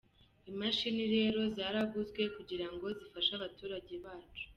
Imashini rero zaraguzwe kugira ngo zifashe abaturage bacu.